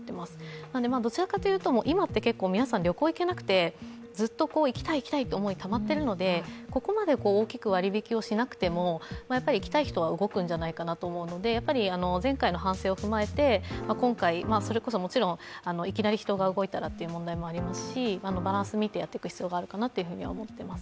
どちらかというと今って結構皆さん旅行に行けなくて、ずっと行きたい、行きたいという思いがたまっているのでここまで大きく割引をしなくても行きたい人は動くんじゃないかと思うのでやっぱり前回の反省を踏まえて今回、もちろんそれこそいきなり人が動いたらという問題もありますし、バランスを見てやっていく必要があるかなと思っています。